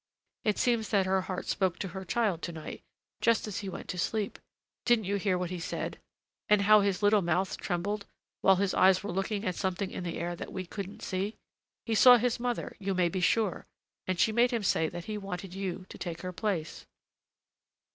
It seems that her heart spoke to her child to night, just as he went to sleep. Didn't you hear what he said? and how his little mouth trembled while his eyes were looking at something in the air that we couldn't see! He saw his mother, you may be sure, and she made him say that he wanted you to take her place."